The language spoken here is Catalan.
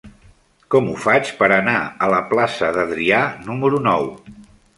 Com ho faig per anar a la plaça d'Adrià número nou?